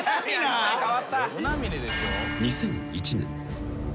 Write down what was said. ［２００１年］